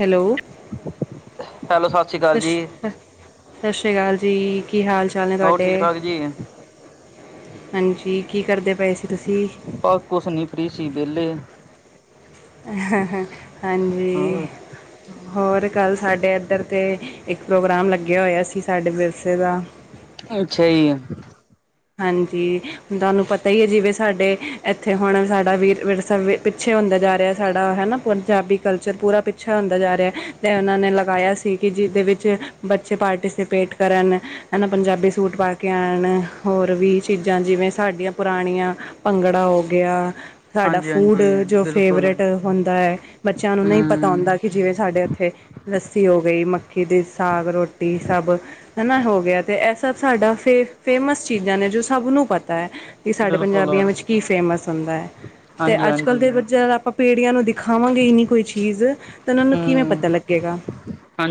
Hello, hello ਸਤਿ ਸ਼੍ਰੀ ਅਕਾਲ ਸਸ਼ ਜੀ ਕ ਸਸ ਸ਼੍ਰੀ ਕਾਲ ਜੀ, ਕੀ ਹਾਲ ਚਾਲ ਨੇ ਹੋਰ ਤੁਆਡੇ? ਠੀਕ ਠਾਕ ਜੀ ਹਾਂਜੀ, ਕੀ ਕਰਦੇ ਪਏ ਸੀ ਤੁਸੀਂ? ਬਸ ਕੁਛ ਨੀ, ਫ੍ਰੀ ਸੀ ਵੇਲੇ। ਹਾਂਜੀ। ਹੋਰ ਹੋਰ ਕੱਲ ਸਾਡੇ ਏਧਰ ਤੇ ਇੱਕ ਪ੍ਰੋਗਰਾਮ ਲੱਗੇਆ ਹੋਏਆ ਸੀ ਸਾਡੇ ਵਿਰਸੇ ਦਾ। ਅੱਛਾ ਜੀ। ਹਾਂਜੀ ਹੁਨ ਤੁਆਨੂੰ ਪਤਾ ਈ ਐ ਜਿਵੇਂ ਸਾਡੇ ਐਥੇ ਹੁਨ ਸਾਡਾ ਵੀਰ ਵਿਰਸਾ ਪਿੱਛੇ ਹੋਂਦਾ ਜਾ ਰਯਾ ਸਾਡਾ, ਹੈਨਾ ਪੰਜਾਬੀ ਕਲਚਰ ਪੂਰਾ ਪਿੱਛੇ ਹੋਂਦਾ ਜਾ ਰਯਾ। ਤੇ ਓਨਾਂ ਨੇ ਲਗਾਏਆ ਸੀ ਕਿ ਜਿਦੇ ਵਿੱਚ ਬੱਚੇ ਪਾਰਟੀਸਪੇਟ ਕਰਨ। ਹਨਾ, ਪੰਜਾਬੀ ਸੂਟ ਪਾ ਕੇ ਆਣ। ਹੋਰ ਵੀ ਚੀਜ਼ਾਂ ਜਿਵੇਂ ਸਾਡੀਆਂ ਪੁਰਾਣੀਆ ਭੰਗੜਾ ਹੋ ਗਯਾ। ਸਾਡਾ ਹਾਂਜੀ ਫੂਡ ਹਾਂਜੀ ਜੋ ਬਿਲਕੁਲ ਫੇਵਰੇਟ ਹੋਂਦਾ ਐ, ਬੱਚੇਆਂ ਨੂੰ ਨਈ ਪਤਾ ਹਮ ਹੋਂਦਾ। ਕਿ ਜਿਵੇਂ ਸਾਡੇ ਐਥੇ ਲੱਸੀ ਹੋ ਗੀ, ਮੱਕੀ ਦੀ ਸਾਗ ਰੋਟੀ ਸਭ। ਹਨਾ ਹੋ ਗਯਾ ਤੇ ਐ ਸਭ ਸਾਡਾ ਫੇ ਫੇਮਸ ਚੀਜ਼ਾਂ ਨੇ ਜੋ ਸਭ ਨੂੰ ਪਤਾ ਐ। ਕਿ ਸਾਡੇ ਬਿਲਕੁਲ ਪੰਜਾਬੀਆਂ ਵਿੱਚ ਕੀ ਫੇਮਸ ਹੋਂਦਾ ਐ। ਤੇ ਹਾਂਜੀ ਅੱਜ ਕੱਲ੍ ਹਾਂਜੀ ਦੇ ਬੱਚੇ ਜੱਦ ਆਪਾਂ ਪੀੜ੍ਹੀਆਂ ਨੂੰ ਦਿਖਾਵਾਂਗੇ ਈ ਨਈ ਕੋਈ ਚੀਜ਼ ਤੇ ਓਨਾਂ ਨੂੰ ਕਿਵੇਂ ਪਤਾ ਲੱਗੇਗਾ।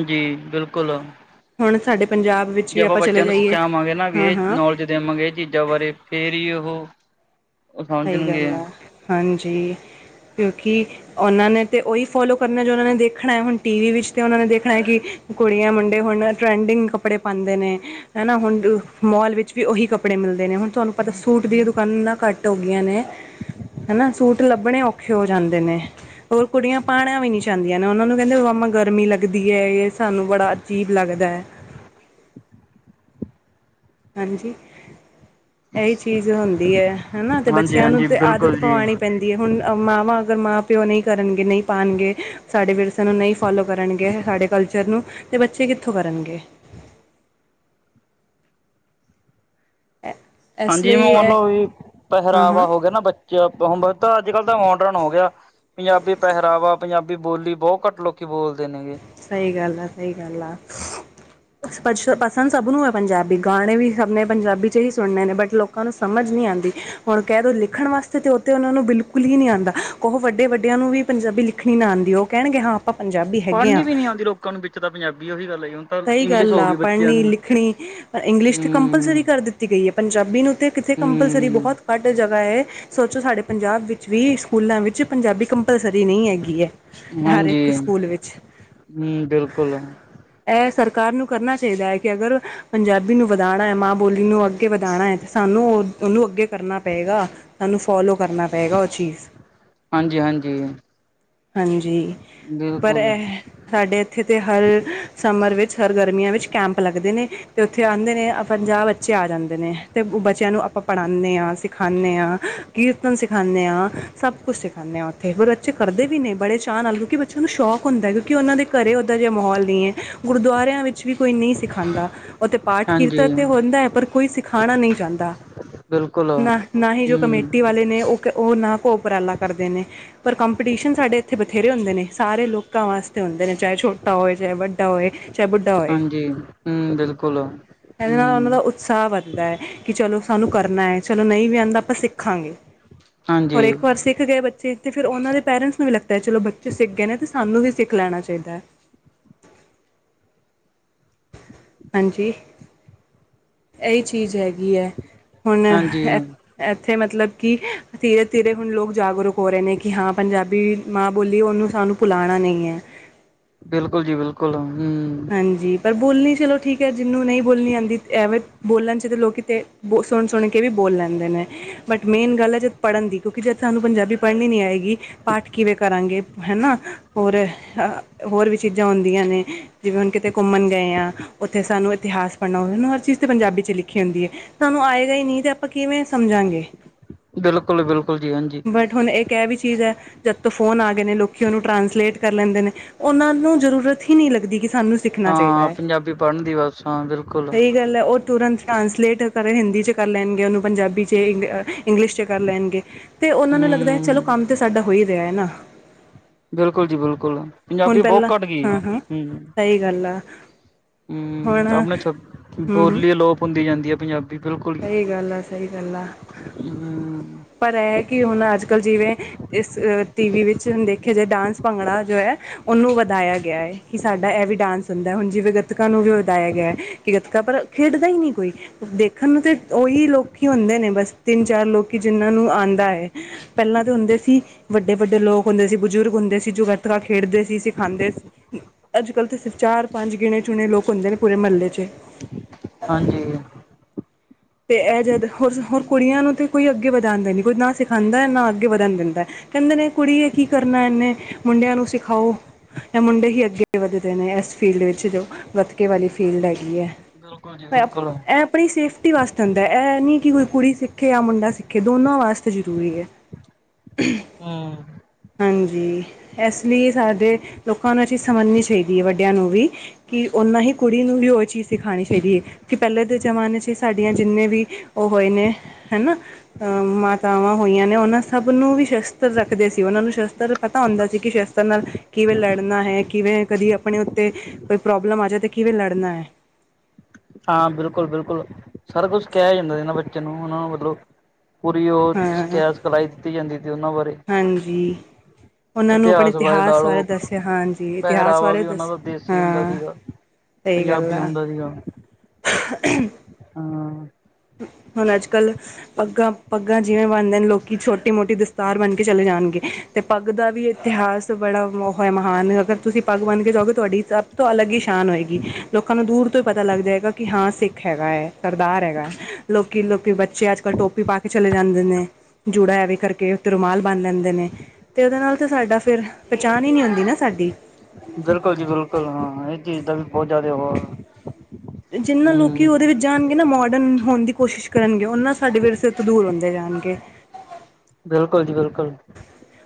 ਜੀ ਬਿਲਕੁਲ। ਹੁਣ ਸਾਡੇ ਪੰਜਾਬ ਵਿੱਚ ਜੇ ਵੀ ਆਪਾਂ ਚਲੇ ਬੱਚੇਆਂ ਨੂੰ ਜਾਈਏ ਸਿਖਾਵਾਂਗੇ ਨਾ ਹਾਂ ਵੀ ਹਾਂ ਨੌਲੇਜ ਦੇਵਾਂਗੇ ਏ ਚੀਜ਼ਾਂ ਬਾਰੇ ਫੇਰ ਹੀ ਓਹੋ ਸਈ ਗੱਲ ਆ, ਹਾਂਜੀ ਕਿਉਂਕਿ ਓਨਾਂ ਨੇ ਤੇ ਓਈ ਫੋਲੋ ਕਰਨਾ ਜੋ ਓਨਾਂ ਨੇ ਦੇਖਣਾ ਐ, ਹੁਨ ਟੀਵੀ ਵਿੱਚ ਤੇ ਓਨਾਂ ਨੇ ਦੇਖਣਾ ਐ ਕਿ ਕੁੜੀਆਂ ਮੁੰਡੇ ਹੁਨ ਟਰੈਂਡਿੰਗ ਕੱਪੜੇ ਪਾਂਦੇ ਨੇ। ਹੈਨਾ ਹੁਨ ਮੋਲ ਵਿੱਚ ਵੀ ਓਹੀ ਕੱਪੜੇ ਮਿਲਦੇ ਨੇ ਹੁਨ ਤੁਆਨੂੰ ਪਤਾ ਸੂਟ ਦੀਆਂ ਦੁਕਾਨਾਂ ਨਾ ਘੱਟ ਟ ਹੋ ਗੀਆਂ ਨੇ ਹੈਨਾ ਸੂਟ ਲੱਭਣੇ ਔਖੇ ਹੋ ਜਾਂਦੇ ਨੇ। ਹੋਰ ਕੁੜੀਆਂ ਪਾਣਾ ਵੀ ਣੀ ਚਾਂਦੀਆਂ ਨੇ ਓਨਾਂ ਨੂੰ ਕੈਂਦੇ ਮਮਾ ਗਰਮੀ ਲੱਗਦੀ ਐ ਏ ਸਾਨੂੰ ਬੜਾ ਅਜੀਬ ਲੱਗਦਾ ਐ। ਹਾਂਜੀ, ਐਹੀ ਚੀਜ਼ ਹੁੰਦੀ ਐ, ਹਨਾ ਤੇ ਹਾਂਜੀ ਬੱਚੇਆਂ ਨੂੰ ਹਾਂਜੀ ਤੇ ਆਦਤ ਬਿਲਕੁਲ ਜੀ ਪਵਾਣੀ ਪੈਂਦੀ ਏ ਹੁਨ ਮਾਵਾਂ ਅਗਰ ਮਾਂ ਪਿਓ ਨਈ ਕਰਨਗੇ, ਨਈ ਪਾਨਗੇ ਸਾਡੇ ਵਿਰਸੇ ਨੂੰ ਨਈ ਫੋਲੋ ਕਰਨਗੇ, ਸਾਡੇ ਕਲਚਰ ਨੂੰ ਤੇ ਬੱਚੇ ਕਿੱਥੋਂ ਕਰਨਗੇ। ਐ ਹਾਂਜੀ ਮੰਨ ਲਓ ਵੀ ਪਹਰਾਵਾ ਹਾਂ ਹੋ ਗਿਆ ਨਾ, ਬੱਚੇ ਪ ਤਾਂ ਅੱਜ ਕੱਲ੍ ਤਾਂ ਮੋਡਰਨ ਹੋ ਗਯਾ। ਪੰਜਾਬੀ ਪਹਰਾਵਾ, ਪੰਜਾਬੀ ਬੋਲੀ ਬੋਹਤ ਘੱਟ ਲੋਕੀ ਬੋਲਦੇ ਨੇਗੇ। ਸਈ ਗੱਲ ਐ, ਸਈ ਗੱਲ ਆ। ਪਸ ਪਸੰਦ ਸਭ ਨੂੰ ਹੈ ਪੰਜਾਬੀ ਗਾਣੇ ਵੀ ਸਭ ਨੇ ਪੰਜਾਬੀ ਚ ਹੀ ਸੁਨਨੇ ਨੇ ਬਟ ਲੋਕ ਕਾਂ ਨੂੰ ਸਮਝ ਨੀ ਆਂਦੀ। ਹੁਣ ਕੈ ਦੋ ਲਿਖਣ ਵਾਸਤੇ ਤੇ ਓ ਤੇ ਓਨਾਂ ਨੂੰ ਬਿਲਕੁਲ ਹੀ ਨੀ ਆਂਦਾ, ਓਹ ਵੱਡੇ ਵੱਡੇਆਂ ਨੂੰ ਵੀ ਪੰਜਾਬੀ ਲਿਖਣੀ ਨਾ ਆਂਦੀ, ਓ ਕੈਣਗੇ ਹਾਂ ਪੰਜਾਬੀ ਹੈਗੇ ਪੜ੍ਹਨੀ ਹਾਂ ਵੀ ਨੀ ਆਂਦੀ ਲੋਕਾਂ ਨੂੰ ਵਿੱਚ ਤਾਂ ਪੰਜਾਬੀ ਓਹੀ ਗੱਲ ਐ ਜੀ ਹੁਨ ਸਈ ਗੱਲ ਆ ਪੜ੍ਹਨੀ ਲਿਖਣੀ, ਇੰਗਲਿਸ਼ ਤੇ ਹੂੰ ਕੰਪਲਸਰੀ ਕਰ ਦਿੱਤੀ ਗਈ ਐ, ਪੰਜਾਬੀ ਨੂੰ ਤੇ ਕਿੱਥੇ ਕੰਪਲਸਰੀ ਹੂੰ ਬੋਹਤ ਘੱਟ ਜਗ੍ਹਾ ਐ ਸੋਚੋ ਸਾਡੇ ਪੰਜਾਬ ਵਿੱਚ ਵੀ, ਸਕੂਲਾਂ ਵਿੱਚ ਪੰਜਾਬੀ ਕੰਪਲਸਰੀ ਨਈ ਹੈਗੀ ਐ। ਹਰ ਹਾਂਜੀ ਏਕ ਸਕੂਲ ਵਿੱਚ ਹੂੰ, ਬਿਲਕੁਲ। ਐ ਸਰਕਾਰ ਨੂੰ ਕਰਨਾ ਚਾਈਦਾ ਐ ਕਿ ਅਗਰ ਪੰਜਾਬੀ ਨੂੰ ਵਧਾਣਾ ਐ, ਮਾਂ ਬੋਲੀ ਨੂੰ ਅੱਗੇ ਵਧਾਣਾ ਐ ਤੇ ਸਾਨੂੰ ਓ ਓਨੂੰ ਅੱਗੇ ਕਰਨਾ ਪਏਗਾ। ਉਹਨੂੰ ਫੋਲੋ ਕਰਨਾ ਪਏਗਾ ਉਹ ਚੀਜ਼ ਹਾਂਜੀ ਹਾਂਜੀ ਹਾਂਜੀ ਪਰ ਬਿਲਕੁਲ ਅਹ ਸਾਡੇ ਇੱਥੇ ਤੇ ਹਰ ਸਮਰ ਵਿੱਚ ਹਰ ਗਰਮੀਆਂ ਵਿੱਚ ਕੈਂਪ ਲੱਗਦੇ ਨੇ, ਤੇ ਇੱਥੇ ਆਂਦੇ ਨੇ ਪੰਜਾਹ ਬੱਚੇ ਆ ਜਾਂਦੇ ਨੇ। ਤੇ ਬੱਚਿਆਂ ਨੂੰ ਆਪਾਂ ਪੜ੍ਹਾਨੇ ਆ ਸਿੱਖਾਨੇ ਆ, ਕੀਰਤਨ ਸਿੱਖਾਨੇ ਆ। ਸਭ ਕੁਛ ਸਿਖਾਨੇ ਆ ਉੱਥੇ ਹੋਰ ਬੱਚੇ ਕਰਦੇ ਵੀ ਨੇ ਬੜੇ ਚਾਅ ਨਾਲ ਕਿਉਂਕਿ ਬ ਉਹਨੂੰ ਸ਼ੌਕ ਹੁੰਦਾ ਐ ਕਿਉਂਕਿ ਉਹਨਾਂ ਦੇ ਘਰੇ ਓਦਾ ਜਿਹਾ ਮਾਹੌਲ ਨੀ ਐ। ਗੁਰਦੁਆਰਿਆਂ ਵਿੱਚ ਵੀ ਕੋਈ ਨੀ ਸਿਖਾਦਾ। ਉਥੇ ਪਾਠ ਕੀਰਤਨ ਹਾਂਜੀ ਤੇ ਹੁੰਦਾ ਐ ਪਰ ਕੋਈ ਸਿਖਾਣਾ ਨੀ ਚਾਹਦਾ। ਬਿਲਕੁਲ। ਨਾ ਨਾਹੀ ਜੋ ਹੂੰ ਕਮੇਟੀ ਵਾਲੇ ਨੇ ਉਹ ਉਹ ਨਾ ਕੋ ਉਪਰਾਲਾ ਕਰਦੇ ਨੇ। ਪਰ ਕੰਪੀਟੀਸ਼ਨ ਸਾਡੇ ਇੱਥੇ ਬਥੇਰੇ ਹੁੰਦੇ ਨੇ ਸਾਰੇ ਲੋਕਾਂ ਵਾਸਤੇ ਹੁੰਦੇ ਨੇ ਚਾਹੇ ਛੋਟਾ ਹੋਵੇ ਚਾਹੇ ਵੱਡਾ ਤਾਂ ਓਏ ਹਾਂਜੀ ਹੂੰ ਬਿਲਕੁਲ ਹੂੰ, ਸਾਹ ਵੱਧਦਾ ਐ ਕਿ ਚਲੋ ਸਾਨੂੰ ਕਰਨਾ ਐ ਚਲੋ ਨਈ ਵੀ ਆਂਦਾ ਆਪਾਂ ਸਿੱਖਾਂਗੇ। ਔਰ ਹਾਂਜੀ ਇੱਕ ਵਾਰ ਸਿੱਖ ਗਏ ਬੱਚੇ ਤੇ ਫਿਰ ਉਹਨਾਂ ਦੇ ਪੇਰੈਂਟਸ ਨੂੰ ਵੀ ਲੱਗਤਾ ਏ ਚਲੋ ਬੱਚੇ ਸਿੱਖ ਗਏ ਨੇ ਤੇ ਸਾਨੂੰ ਵੀ ਸਿੱਖ ਲੈਣਾ ਚਾਈਦਾ ਐ। ਹਾਂਜੀ ਇਹੀ ਚੀਜ਼ ਹੈਗੀ ਐ ਹੁਣ ਹਾਂਜੀ ਐ ਇੱਥੇ ਮਤਲਬ ਕਿ ਧੀਰੇ ਧੀਰੇ ਹੁਣ ਲੋਕ ਜਾਗਰੂਕ ਹੋ ਰਹੇ ਨੇ ਕਿ ਹਾਂ ਪੰਜਾਬੀ ਮਾਂ ਬੋਲੀ ਉਹਨੂੰ ਸਾਨੂੰ ਭੁਲਾਣਾ ਨੀ ਐ। ਬਿਲਕੁਲ ਜੀ ਬਿਲਕੁਲ ਹੂੰ, ਹਾਂਜੀ ਪਰ ਬੋਲਣੀ ਚਲੋ ਠੀਕ ਐ ਜਿਹਨੂੰ ਨੀ ਬੋਲਣੀ ਆਦੀ ਐਵੇ ਬੋਲਣ ਚ ਤਾਂ ਲੋਕ ਕਿਤੇ ਬ ਸੁਣ ਸੁਣ ਕੇ ਵੀ ਬੋਲ ਲੈਂਦੇ ਨੇ, ਬਟ ਮੇਨ ਗੱਲ ਐ ਜਦ ਪੜ੍ਹਨ ਦੀ ਕਿਉਂਕਿ ਜਦ ਸਾਨੂੰ ਪੰਜਾਬੀ ਪੜ੍ਹਨੀ ਨੀ ਆਏਗੀ। ਪਾਠ ਕਿਵੇਂ ਕਰਾਂਗੇ ਹਨਾ, ਹੋਰ ਹ ਹੋਰ ਵੀ ਚੀਜ਼ਾਂ ਹੁੰਦੀਆਂ ਨੇ। ਜਿਵੇਂ ਹੁਣ ਕਿਤੇ ਘੁੰਮਣ ਗਏ ਆ ਉੱਥੇ ਸਾਨੂੰ ਇਤਿਹਾਸ ਪੜ੍ਹਨਾ ਉਹਨੂੰ ਹਰ ਚੀਜ਼ ਤਾਂ ਪੰਜਾਬੀ 'ਚ ਲਿਖੀ ਹੁੰਦੀ ਐ। ਸਾਨੂੰ ਆਏਗਾ ਈ ਨੀ ਤੇ ਆਪਾਂ ਕਿਵੇਂ ਸਮਝਾਂਗੇ। ਬਿਲਕੁਲ ਬਿਲਕੁਲ ਜੀ ਹਾਂਜੀ। ਬਟ ਹੁਣ ਇੱਕ ਇਹ ਵੀ ਚੀਜ਼ ਐ। ਜਦ ਤੋਂ ਫੋਨ ਆ ਗਏ ਨੇ ਲੋਕੀ ਉਹਨੂੰ ਟਰਾਂਸਲੇਟ ਕਰ ਲੈਂਦੇ ਨੇ ਉਹਨਾਂ ਨੂੰ ਜ਼ਰੂਰਤ ਹੀ ਨੀ ਲੱਗਦੀ ਕਿ ਸਾਨੂੰ ਸਿੱਖਣਾ ਚਾਹੀਦਾ ਹਾਂ ਹੈ ਪੰਜਾਬੀ ਪੜ੍ਹਨ ਦੀ ਬਸ ਹਾਂ ਬਿਲਕੁਲ ਸਹੀ ਗੱਲ ਐ ਉਹ ਤੁਰੰਤ ਟਰਾਂਸਲੇਟ ਕਰ ਹਿੰਦੀ ਚ ਕਰ ਲੈਣਗੇ ਉਹਨੂੰ ਪੰਜਾਬੀ [unintelligible] ਇੰਗਲਿਸ਼ ਚ ਕਰ ਲੈਣਗੇ ਤੇ ਉਹਨਾਂ ਨੂੰ ਹੂੰ ਲੱਗਦਾ ਚਲੋ ਕੰਮ ਤੇ ਸਾਡਾ ਹੋ ਈ ਰਿਆ ਐ ਨਾ ਬਿਲਕੁਲ ਜੀ ਬਿਲਕੁਲ ਪੰਜਾਬੀ ਬਹੁਤ ਘੱਟ ਗੀ। ਸਈ ਗੱਲ ਐ। ਹੂੰ ਆਪਣੇ ਸ ਹੂੰ ਬੋਲੀ ਅਲੋਪ ਹੁੰਦੀ ਜਾਂਦੀ ਐ ਪੰਜਾਬੀ ਬਿਲਕੁਲ ਹੂੰ ਸਹੀ ਗੱਲ ਆ ਸਹੀ ਗੱਲ ਆ ਪਰ ਇਹ ਕਿ ਹੁਣ ਅੱਜ ਕੱਲ੍ਹ ਜਿਵੇਂ ਇਸ ਅ ਟੀਵੀ ਵਿੱਚ ਹੁਣ ਦੇਖਿਆ ਜਾਏ ਡਾਂਸ ਭੰਗੜਾ ਜੋ ਹੈ। ਉਹਨੂੰ ਵਧਾਇਆ ਗਿਆ ਐ ਕਿ ਸਾਡਾ ਇਹ ਵੀ ਡਾਂਸ ਹੁੰਦਾ ਐ ਹੁਣ ਜਿਵੇਂ ਗਤਕਾਂ ਨੂੰ ਵੀ ਵਧਾਇਆ ਗਿਆ ਐ। ਕਿ ਗਤਕਾ ਪਰ ਖੇਡਦਾ ਈ ਨੀ ਕੋਈ ਦੇਖ ਸਾਨੂੰ ਤੇ ਉਹੀ ਲੋਕੀ ਹੁੰਦੇ ਨੇ ਬਸ ਤਿੰਨ ਚਾਰ ਲੋਕੀ ਜਿਹਨਾਂ ਆਂਦਾ ਐ। ਪਹਿਲਾਂ ਤਾਂ ਹੁੰਦੇ ਸੀ, ਵੱਡੇ ਵੱਡੇ ਲੋਕ ਹੁੰਦੇ ਸੀ ਬਜ਼ੁਰਗ ਹੁੰਦੇ ਸੀ ਜੋ ਗਤਕਾ ਖੇਡਦੇ ਸੀ ਸਿਖਾਦੇ ਸੀ। ਅੱਜ ਕੱਲ ਤਾਂ ਸਿਰਫ ਚਾਰ ਪੰਜ ਗਿਣੇ ਚੁਣੇ ਲੋਕ ਹੁੰਦੇ ਨੇ ਪੂਰੇ ਮਹੱਲੇ 'ਚ ਹਾਂਜੀ, ਤੇ ਇਹ ਜਦ ਹੋਰ ਹੋਰ ਕੁੜੀਆਂ ਨੂੰ ਤੇ ਕੋਈ ਅੱਗੇ ਵਧਾਂਦੇ ਨੀ ਕੋਈ ਨਾ ਸਿਖਾਦਾ ਐ ਨਾ ਅੱਗੇ ਵਧਣ ਦਿੰਦਾ। ਕਹਿੰਦੇ ਨੇ ਕੁੜੀਏ ਕੀ ਕਰਨਾ ਇਹਨੇ, ਮੁੰਡਿਆਂ ਨੂੰ ਸਿਖਾਓ। ਐ ਮੁੰਡੇ ਹੀ ਅੱਗੇ ਵੱਧਦੇ ਨੇ ਏਸ ਫੀਲਡ ਵਿੱਚ ਜੋ ਗਤਕੇ ਵਾਲੀ ਫੀਲਡ ਹੈਗੀ ਐ। ਬਿਲਕੁਲ ਜੀ ਮੈਪ ਬਿਲਕੁਲ ਹੂੰ ਐਪ ਅਪਣੀ ਸੇਫਟੀ ਵਾਸਤੇ ਹੁੰਦਾਐ। ਐ ਨੀ ਕਿ ਕੋਈ ਕੁੜੀ ਸਿੱਖੇ ਯਾ ਮੁੰਡਾ ਸਿੱਖੇ ਦੋਨਾਂ ਵਾਸਤੇ ਜਰੂਰੀ ਐ। [unintelligible] ਹੂੰ। ਹਾਂਜੀ, ਐਸ ਲੀ ਸਾਡੇ ਲੋਕਾਂ ਨੂੰ ਐ ਚੀਜ਼ ਸਮਝਣੀ ਚਾਈਦੀ ਏ ਵੱਡੇਆਂ ਨੂੰ ਵੀ। ਕਿ ਓਨਾਂ ਹੀ ਕੁੜੀ ਨੂੰ ਵੀ ਓ ਚੀਜ਼ ਸਿਖਾਣੀ ਚਾਈਦੀ ਏ ਕਿ ਪੈਲੇ ਦੇ ਜ਼ਮਾਨੇ ਚ ਸਾਡੀਆਂ ਜਿੰਨੇ ਵੀ ਓ ਹੋਏ ਨੇ ਹੈਨਾ। ਅ ਮਾਤਾਵਾਂ ਹੋਈਆਂ ਨੇ ਓਨਾਂ ਸਭ ਨੂੰ ਵੀ ਸ਼ਸਤਰ ਰੱਖਦੇ ਸੀ। ਓਨਾਂ ਨੂੰ ਸ਼ਸਤਰ ਪਤਾ ਹੁੰਦਾ ਸੀ ਕਿ ਸ਼ਸਤਰ ਨਾਲ ਕਿਵੇਂ ਲੜਨਾ ਹੈ ਕਿਵੇਂ, ਕਦੀ ਅਪਣੇ ਉੱਤੇ ਕੋਈ ਪ੍ਰੋਬਲਮ ਆ ਜੇ ਤੇ ਕਿਵੇਂ ਲੜਨਾ ਐ। ਹਾਂ ਬਿਲਕੁਲ ਬਿਲਕੁਲ। ਸਾਰਾ ਕੁੱਛ ਕੈਆ ਜਾਂਦਾ ਏਨਾਂ ਬੱਚਗਆਂ ਨੂੰ ਓਨਾਂ ਨੂੰ ਮਤਲਬ ਪੂਰੀ ਓ ਹਾਂ ਸਕੈ ਸਿਖਲਾਈ ਦਿੱਤੀ ਜਾਂਦੀ ਸੀ ਓਨਾਂ ਬਾਰੇ ਹਾਂਜੀ ਉਹਨਾਂ ਨੂੰ ਆਪਣੇ ਇਤਿਹਾਸ ਬਾਰੇ ਲਾ ਲਓ। ਦੱਸਿਆ ਹਾਂਜੀ ਇਤਿਹਾਸ ਪਹਰਾਵਾ ਬਾਰੇ ਵੀ ਓਨਾਂ ਦੱਸਿਆ ਦਾ ਦੇਸੀ ਹੁੰਦਾ ਹਾਂ ਸੀਗਾ। ਸਹੀ ਗੱਲ ਪੰਜਾਬੀ ਆ ਹੁੰਦਾ ਸੀਗਾ। [unintelligible] ਹਾਂ ਹੁਨ ਅੱਜ-ਕੱਲ ਪੱਗਾਂ ਪੱਗਾਂ ਜਿਵੇਂ ਬਨਦੇ ਨੇ ਲੋਕੀ ਛੋਟੀ ਮੋਟੀ ਦਸਤਾਰ ਬਣ ਕੇ ਚਲੇ ਜਾਣਗੇ। ਤੇ ਪੱਗ ਦਾ ਵੀ ਇਤਿਹਾਸ ਬੜਾ ਮਹ ਮਹਾਨ ਐ। ਅਗਰ ਤੁਸੀ ਪੱਗ ਬਨ ਕੇ ਜਾਓਗੇ ਤੁਆਡੀ ਤੋ ਅਲੱਗ ਈ ਸ਼ਾਨ ਹੋਏਗੀ। ਲੋਕਾਂ ਨੂੰ ਦੂਰ ਤੋਂ ਈ ਪਤਾ ਲੱਗ ਜਾਏਗਾ ਕਿ ਹਾਂ ਸਿੱਖ ਹੈਗਾ ਐ, ਸਰਦਾਰ ਹੈਗਾ। ਲੋਕੀਂ ਲੋਕੀ ਬੱਚੇ ਅੱਜ ਕੱਲ ਟੋਪੀ ਪਾ ਕੇ ਚਲੇ ਜਾਂਦੇ ਨੇ ਜੂੜਾ ਐਵੇਂ ਕਰਕੇ। ਰੁਮਾਲ ਬੰਨ ਲੈਂਦੇ ਨੇ। ਤੇ ਏਦੇ ਨਾਲ ਤੇ ਸਾਡਾ ਫੇਰ ਪੇਚਾਨ ਈ ਨੀ ਹੁੰਦੀ ਨਾ ਸਾਡੀ। ਬਿਲਕੁਲ ਜੀ ਬਿਲਕੁਲ। ਹਾਂ ਹਾਂ ਇਸ ਚੀਜ ਦਾ ਵੀ ਬੋਤ ਜਾਦੇ ਹਵਾ ਹੂੰ। ਜਾਨਗੇ ਨਾ ਮੌਡਰਨ ਹੋਨ ਦੀ ਕੋਸ਼ਿਸ਼ ਕਰਨਗੇ ਉਹਨਾਂ ਸਾਡੇ ਵਿਰਸੇ ਤੋਂ ਦੂਰ ਹੁੰਦੇ ਜਾਣਗੇ। ਬਿਲਕੁਲ ਜੀ ਬਿਲਕੁਲ।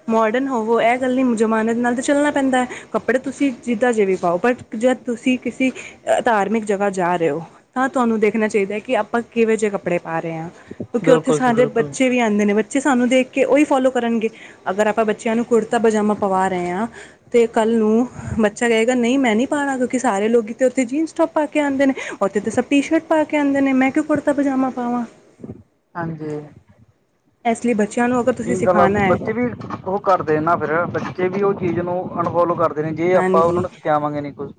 ਮੌਡਰਨ ਹੋਵੋ, ਐ ਗੱਲ ਨੀ ਜਮਾਨੇ ਨਾਲ ਤੇ ਚੱਲਨਾ ਪੈਂਦਾ ਐ। ਕੱਪੜੇ ਤੁਸੀ ਜਿਦਾਂ ਜਿਵੇਂ ਪਾਓ ਬਟ ਜਾ ਤੁਸੀ ਕਿਸੀ ਅ ਧਾਰਮਿਕ ਜਗਾ ਜਾ ਰੇ ਓ ਤਾਂ ਤੁਆਨੂੰ ਦੇਖਨਾ ਚਾਈਦਾ ਐ ਕਿ ਆਪਾਂ ਕਿਵੇਂ ਜੇ ਕੱਪੜੇ ਪਾ ਰੇ ਆਂ। ਕਿਉਂਕਿ ਓਥੇ ਬਿਲਕੁਲ ਜੀ ਸਾਡੇ ਬਿਲਕੁਲ ਬੱਚੇ ਵੀ ਆਂਦੇ ਨੇ ਬੱਚੇ ਸਾਨੂੰ ਦੇਖ ਕੇ ਓਈ ਫੌਲੋ ਕਰਨਗੇ। ਅਗਰ ਆਪਾਂ ਬੱਚੇਆਂ ਨੂੰ ਕੁੜਤਾ ਪਜਾਮਾ ਪਵਾ ਰੇ ਆਂ। ਤੇ ਕੱਲ ਨੂੰ ਬੱਚਾ ਕਏਗਾ ਨਈ ਮੈਂ ਨੀ ਪਾਣਾ ਕਿਉਂਕਿ ਸਾਰੇ ਲੋਗੀ ਤੇ ਓਥੇ ਜੀਨਸ ਟੋਪ ਪਾ ਕੇ ਆਂਦੇ ਨੇ ਓਥੇ ਤੇ ਸਭ ਟੀ ਸ਼ਰਟ ਪਾ ਕੇ ਆਂਦੇ ਨੇ ਮੈਂ ਕਓਂ ਕੁੜਤਾ ਪਜ਼ਾਮਾ ਪਾਵਾਂ। ਹਾਂਜੀ। ਐਸ ਲੇ ਬ ਏਈ ਗੱਲ ਆ। ਬੱਚੇ ਵੀ ਓਹ ਕਰਦੇ ਨਾ ਫੇਰ ਬੱਚੇ ਵੀ ਓ ਚੀਜ ਨੂੰ ਅਨਫੌਲੋ ਕਰ ਜੇ ਆਪਾਂ ਓਨਾਂ ਹਾਂਜੀ ਦਾ ਸਿਖਿਆਵਾਂਗੇ ਨੀ ਕੁੱਝ।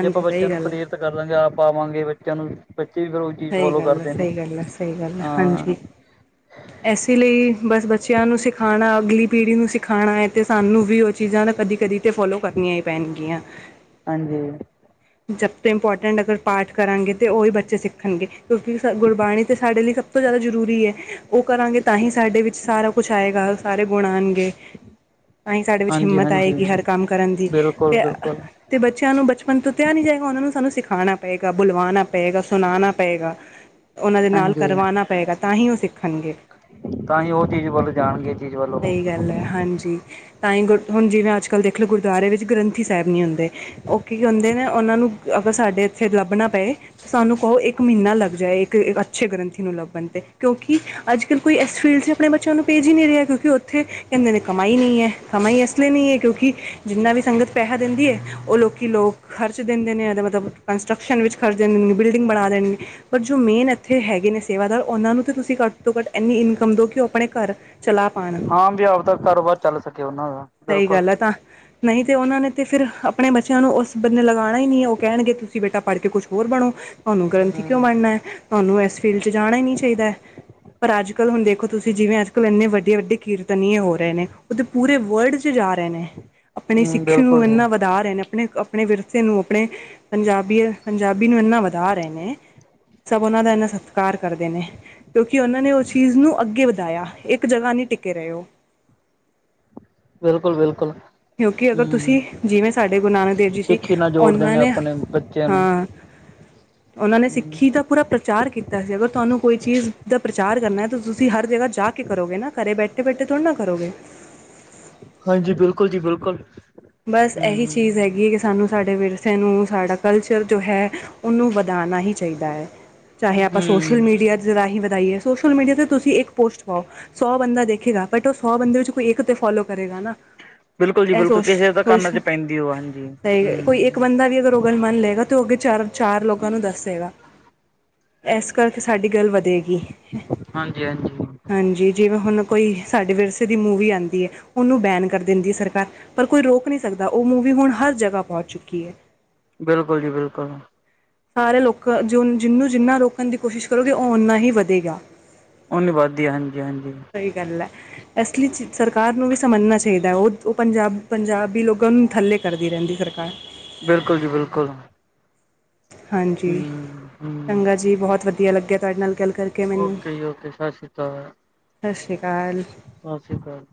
ਜੇ ਆਪਾਂ ਸਹੀ ਬੱਚੇਆਂ ਨੂੰ ਗੱਲ ਹੈ ਪ੍ਰੇਰਤ ਕਰਾਂਗੇ। ਆਪ ਪਾਵਾਂਗੇ ਬਚੇਆਂ ਨੂੰ ਵੀ, ਬੱਚੇ ਵੀ ਫੇਰ ਓਈ ਸਈ ਗੱਲ ਐ, ਸਈ ਗੱਲ ਐ, ਸਈ ਗੱਲ ਐ, ਹਾਂ ਹਾਂਜੀ। ਐਸੇ ਲਈ ਬਸ ਬੱਚੇਆਂ ਨੂੰ ਸਿਖਾਣਾ, ਅਗਲੀ ਪੀੜ੍ਹੀ ਨੂੰ ਸਿਖਾਣਾ ਐ ਤੇ ਸਾਨੂੰ ਵੀ ਓ ਚੀਜ਼ਾਂ ਨਾ ਕਦੀ ਕਦੀ ਤੇ ਫੌਲੋ ਕਰਨੀਆਂ ਈ ਪੈਨਗੀਆਂ। ਹਾਂਜੀ। ਜਬ ਤੇ ਇਮਪੌਟੈਟ ਅਗਰ ਪਾਠ ਕਰਾਂਗੇ ਤੇ ਓਈ ਬੱਚੇ ਸਿੱਖਣਗੇ ਕਿਉਂਕਿ ਗੁਰਬਾਣੀ ਤੇ ਸਾਡੇ ਲਈ ਸਭ ਤੋਂ ਜਾਦਾ ਜਰੂਰੀ ਐ। ਓ ਕਰਾਂਗੇ ਤਾਂ ਹੀ ਸਾਡੇ ਵਿੱਚ ਸਾਰਾ ਕੁੱਛ ਆਏਗਾ ਸਾਰੇ ਗੁਣ ਆਣਗੇ। ਤਾਂਈ ਸਾਡੇ ਵਿੱਚ ਹਾਂਜੀ ਹਿੰਮਤ ਹਾਂਜੀ ਆਏਗੀ ਹਰ ਕੰਮ ਕਰਨ ਦੀ ਬਿਲਕੁਲ ਤੇ ਆ ਬਿਲਕੁਲ ਤੇ ਬੱਚੇਆਂ ਨੂੰ ਬਚਪਨ ਤੋ [unintelligible] ਨੀ ਜਾਏਗਾ ਓਨਾਂ ਨੂੰ ਸਾਨੂੰ ਸਿਖਾਨਾ ਪਏਗਾ, ਬੁਲਵਾਨਾ ਪਏਗਾ, ਸੁਨਾਨਾ ਪਏਗਾ। ਓਨਾਂ ਦੇ ਨਾਲ ਹਾਂਜੀ ਕਰਵਾਨਾ ਪਏਗਾ ਤਾਂਹੀ ਓ ਸਿੱਖਨਗੇ। ਤਾਂਹੀ ਓ ਚੀਜ਼ ਵੱਲ ਜਾਨਗੇ। ਸਈ ਗੱਲ ਐ ਹਾਂਜੀ ਤਾਂਈ ਗੁਰ ਜਿਵੇਂ ਹੁਨ ਅੱਜ-ਕੱਲ ਗੁਰਦੁਆਰੇ ਵਿੱਚ ਗ੍ਰੰਥੀ ਸੈਬ ਨੀ ਹੁੰਦੇ। ਓ ਕੀ ਕੈਂਦੇ ਨੇ ਓਨਾਂ ਨੂੰ ਅਗਰ ਸਾਡੇ ਏਥੇ ਲੱਬਨਾ ਪਏ ਸਾਨੂੰ ਕਓ ਇੱਕ ਮ੍ਹੀਨਾ ਲੱਗ ਜਾਏ ਇੱਕ ਕ ਅੱਛੇ ਗ੍ਰੰਥੀ ਨੂੰ ਲੱਬਨ ਤੇ ਕਿਓਂਕਿ ਅੱਜ-ਕੱਲ ਕੋਈ ਐਸ ਫ਼ੀਲਡ ਚ ਆਪਨੇ ਬੱਚੇਆਂ ਨੂੰ ਭੇਜ ਈ ਨੀ ਰਿਆ ਕੋਈ। ਤੇ ਓਥੇ ਕੈਂਦੇ ਨੇ ਕਮਾਈ ਨਈ ਐ ਕਮਾਈ ਏਸ ਲਈ ਨਈਂ ਐ ਕਿਓਂਕਿ ਜਿੰਨਾ ਵੀ ਸੰਗਤ ਪੈਸਾ ਦਿੰਦੀ ਏ ਓ ਲੋਕੀ ਲੋਕ ਖਰਚ ਦਿੰਦੇ ਨੇ ਏਦਾ ਮਤਲਬ ਕੰਸਟਰਕਸ਼ਨ ਵਿੱਚ ਖਰਚ ਦਿੰਦੇ ਨੇ ਬਿਲਡਿੰਗ ਬਨਾ ਦੇਨੇ ਨੇ। ਪਰ ਜੋ ਮੇਨ ਐਥੇ ਹੈਗੇ ਨੇ ਸੇਵਾਦਾਰ ਓਨਾਂ ਨੂੰ ਤੇ ਤੁਸੀਂ ਘੱਟ ਤੋਂ ਘੱਟ ਐਨੀ ਇਨਕਮ ਦਓ ਕੇ ਓ ਆਪਨੇ ਘਰ ਚਲਾ ਪ ਹਾਂ ਵੀ ਆਵਦਾ ਕਾਰੋਬਾਰ ਚੱਲ ਸਕੇ ਓਨਾਂ ਦਾ, ਬਿਲਕੁਲ। ਤਾਂ ਨਈ ਤੇ ਓਨਾਂ ਨੇ ਤੇ ਫਿਰ ਆਪਨੇ ਬੱਚਿਆਂ ਨੂੰ ਉਸ ਬੰਨੇ ਲਗਾਨਾ ਈ ਨੀ ਐ ਓ ਕੈਨਗੇ ਤੁਸੀਂ ਬੇਟਾ ਪੜ ਕੇ ਕੁਛ ਹੋਰ ਬਨੋ। ਤਆਨੂੰ ਗ੍ਰੰਥੀ ਕਿਓਂ ਹੂੰ। ਬਨਨਾ। ਤੁਆਨੂੰ ਐਸ ਫੀਲਡ ਚ ਜਾਨਾ ਈ ਨਈ ਚਾਈਦਾ, ਪਰ ਅੱਜ-ਕੱਲ ਹੁਨ ਦੇਖੋ ਤੁਸੀਂ ਜਿਵੇਂ ਅੱਜ-ਕੱਲ ਐਨੇ ਵੱ ਵੱਡੇ-ਵੱਡੇ ਕੀਰਤਨੀਏ ਹੋ ਰਏ ਨੇ ਓ ਤਾਂ ਪੂਰੇ ਵਲਡ ਚ ਜਾ ਰਏ ਨੇ, ਆਪਨੀ ਹੂੰ ਸਿੱਖੀ ਨੂੰ ਬਿਲਕੁਲ ਜੀ ਏਨਾਂ ਵਦੀ ਵਦਾ ਰਏ ਨੇ ਆਪਨੇ-ਆਪਨੇ ਵਿਰਸੇ ਨੂੰ ਆਪਨੇ ਪੰਜਾਬੀ-ਪੰਜਾਬੀ ਨੂੰ ਏਨਾ ਵਦਾ ਰਏ ਨੇ, ਸਬ ਓਨਾਂ ਦਾ ਏਨਾ ਸਤਿ ਕਾਰ ਕਰਦੇ ਨੇ, ਕਿਓਂਕਿ ਓਨਾਂ ਨੇ ਓਸ ਚੀਜ਼ ਨੂੰ ਅੱਗੇ ਵਦਾਇਆ ਇੱਕ ਜਗਾ ਨੀ ਟਿੱਕੇ ਰਏ ਓ। ਬਿਲਕੁਲ-ਬਿਲਕੁਲ, ਕਿਉਂਕਿ ਅਗਰ ਹੂੰ-ਹੂੰ ਤੁਸੀਂ ਜਿਵੇਂ ਸਾਡੇ ਗੁਰੂ ਨਾਨਕ ਦੇਵ ਜੀ ਸੀ ਸਿੱਖੀ ਨਾਲ ਜੋੜ ਦੇ ਉਹਨਾਂ ਨੇ ਆਪਨੇ ਬੱਚੇਆਂ ਨੂੰ ਓਨਾਂ ਨੇ ਹੂੰ। ਸਿੱਖੀ ਦਾ ਪੂਰਾ ਪਰਚਾਰ ਕੀ ਤਾ ਅਗਰ ਤੁਆਨੂੰ ਕੋਈ ਚੀਜ਼ ਦਾ ਪਰਚਾਰ ਕਰਨਾ ਤਾਂ ਤੁਸੀਂ ਹਰ ਜਗਾ ਜਾ ਕੇ ਕਰੋਗੇ ਨਾ ਘਰੇ ਬੈਠੇ-ਬੈਠੇ ਥੋੜਾ ਨਾ ਕਰੋਗੇ। ਹਾਂਜੀ ਬਿਲਕੁਲ ਜੀ ਬਿਲਕੁਲ। ਬਸ ਹੂੰ ਐਹੀ ਹੂੰ। ਚੀਜ਼ ਹੈਗੀ ਕੇ ਸਾਨੂੰ ਸਾਡੇ ਵਿਰਸੇ ਨੂੰ ਸਾਡਾ ਕਲਚਰ ਜੋ ਹੈ ਓਨੂੰ ਵਧਾ ਨਾ ਹੀ ਚਾਹੀਦਾ ਐ, ਚਾਹੇ ਆਪਾਂ ਸੋਸ਼ਲ ਹੂੰ ਮੀਡੀਆ ਦੇ ਰਾਹੀਂ ਵਦਾਈਏ ਸੋਸ਼ਲ ਮੀਡੀਆ ਤੇ ਤੁਸੀਂ ਇੱਕ ਪੋਸਟ ਪਾਓ ਸੌ ਬੰਦਾ ਦੇਖੇਗਾ ਬਟ ਓ ਸੌ ਬੰਦੇ ਵਿੱਚੋਂ ਕੋਈ ਇੱਕ ਤੇ ਫੋਲੋ ਕਰੇਗਾ ਨਾ ਬਿਲਕੁਲ ਜੀ ਐ ਬਿਲਕੁਲ ਸੋਚ। ਕਿਸੇ ਤਾਂ ਸੋਸ਼, ਕੰਨ ਚ ਪੈਂਦੀ ਉਹ ਹਾਂਜੀ ਸਈ ਕੋਈ ਇੱਕ ਹੂੰ ਬੰਦਾ ਵੀ ਅਗਰ ਓ ਗੱਲ ਮੰਨ ਲਏਗਾ ਤੇ ਓ ਅੱਗੇ ਚਾਰ-ਚਾਰ ਲੋਕਾਂ ਨੂੰ ਦੱਸੇਗਾ। ਐਸ ਕਰਕੇ ਸਾਡੀ ਗੱਲ ਵਦੇਗੀ। ਹਾਂਜੀ-ਹਾਂਜੀ। ਹਾਂਜੀ ਜਿਵੇਂ ਹੁਨ ਕੋਈ ਸਾਡੇ ਵਿਰਸੇ ਦੀ ਮੂਵੀ ਆਂਦੀ ਐ, ਓਨੂੰ ਬੈਨ ਕਰ ਦਿੰਦੀ ਐ ਸਰਕਾਰ। ਪਰ ਕੋਈ ਰੋਕ ਨੀ ਸਕਦਾ ਓ ਮੂਵੀ ਹੁਨ ਹਰ ਜਗਾ ਪੌਂਚ ਚੁੱਕੀ ਐ। ਬਿਲਕੁਲ ਜੀ ਬਿਲਕੁਲ। ਸਾਰੇ ਲੋਕ ਜੋ ਜਿਨੂੰ ਜਿੰਨਾ ਰੋਕਨ ਦੀ ਕੋਸ਼ਿਸ਼ ਕਰੋਗੇ ਓ ਓਨਾ ਹੀ ਵਦੇਗਾ। ਹੁਨ ਨੀਂ ਵੱਦਦੀ ਹਾਂਜੀ-ਹਾਂਜੀ ਸਈ ਗੱਲ ਐ। ਏਸ ਲਈ ਸਰਕਾਰ ਨੂੰ ਵੀ ਸਮਜਨਾ ਚਾਈਦਾ ਓ-ਓ ਪੰਜਾ ਪੰਜਾਬੀ ਲੋਕਾਂ ਨੂੰ ਥੱਲੇ ਕਰਦੀ ਰੈਂਦੀ ਐ ਸਰਕਾਰ। ਬਿਲਕੁਲ ਜੀ ਬਿਲਕੁਲ। ਹਾਂਜੀ, ਹੂੰ-ਹੂੰ ਚੰਗਾ ਜੀ ਬਹੋਤ ਵਦੀਆ ਲੱਗੇਆ ਤੁਆਡੇ ਨਾਲ ਗੱਲ ਕਰ ਓਕੇ ਜੀ ਓਕੇ ਸਸ ਰੀ ਕਾਲ। ਸਸਰੀ ਕਾਲ। ਸਸਰੀ ਕਾਲ।